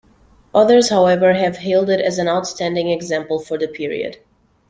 Others, however, have hailed it as an outstanding example for the period.